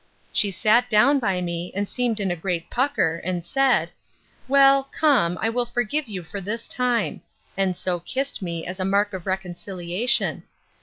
—She sat down by me, and seemed in a great pucker, and said, Well, come, I will forgive you for this time: and so kissed me, as a mark of reconciliation.